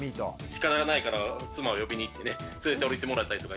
しかたがないから妻を呼びに行ってね連れておりてもらったりとかやってますね。